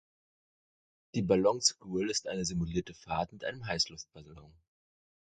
Die Ballon School ist eine simulierte Fahrt mit einem Heißluftballon.